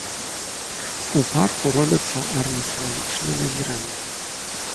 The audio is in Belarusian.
У парку робяцца арніталагічныя назіранні.